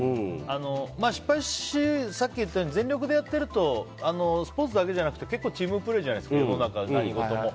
失敗って、さっき言ったように全力でやってるとスポーツだけじゃなくて結構チームプレーじゃないですか世の中、何事も。